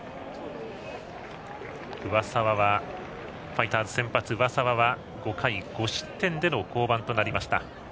ファイターズ先発の上沢は５回５失点での降板となりました。